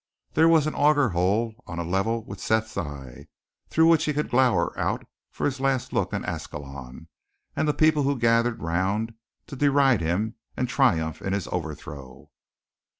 There was an auger hole on a level with Seth's eye, through which he could glower out for his last look on Ascalon, and the people who gathered around to deride him and triumph in his overthrow.